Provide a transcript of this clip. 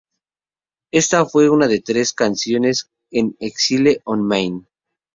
Esta fue una de tres canciones en "Exile on Main St.